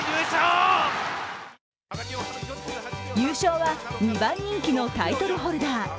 優勝は２番人気のタイトルホルダー